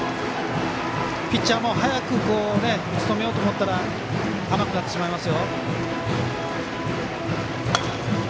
ピッチャーも早くしとめようと思ったら甘くなってしまいます。